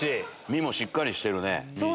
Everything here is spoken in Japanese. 身もしっかりしてるね。